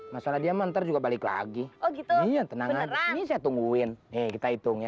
masalah dia menter juga balik lagi oh gitu ya tenang aja tungguin kita hitung ya tiga ratus dua puluh satu